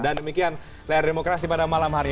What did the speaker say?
dan demikian ler demokrasi malam hari